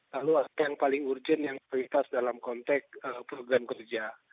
lalu apa yang paling urgent yang prioritas dalam konteks program kerja